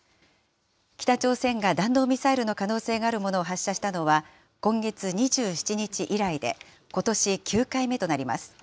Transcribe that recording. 北朝鮮が弾道ミサイルの可能性があるものを発射したのは、今月２７日以来で、ことし９回目となります。